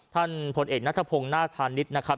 ท่านพลเอกนัทพงศ์นาคพาณิชย์นะครับ